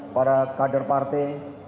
para kader partai